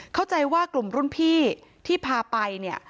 เข้าใจว่ากลุ่มรุ่นพี่ที่พาไปเนี่ย